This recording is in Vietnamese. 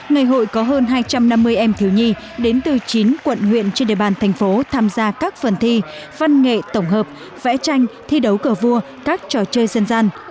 ngày hội có hơn hai trăm năm mươi em thiếu nhi đến từ chín quận huyện trên địa bàn thành phố tham gia các phần thi văn nghệ tổng hợp vẽ tranh thi đấu cờ vua các trò chơi dân gian